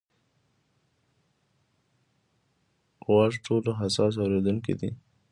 غوږ ټولو حساس اورېدونکی دی.